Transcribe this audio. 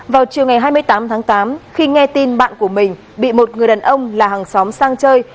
vào chiều ngày hai mươi tám tháng tám khi nghe tin bạn của mình bị một người đàn ông là hàng xóm sang chơi